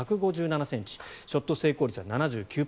身長１５７ｃｍショット成功率は７９％。